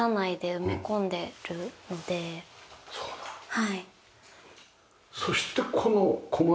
はい。